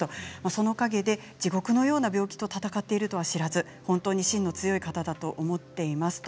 そのおかげで地獄のような病気と闘っているとは知らず本当に芯の強い方だと思っています。